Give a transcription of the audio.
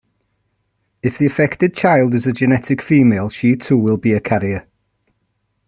If the affected child is a genetic female, she, too, will be a carrier.